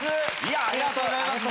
ありがとうございます。